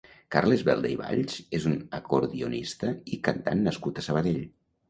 Carles Belda i Valls és un acordionista i cantant nascut a Sabadell.